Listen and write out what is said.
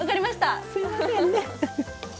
すいませんね。